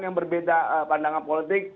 yang berbeda pandangan politik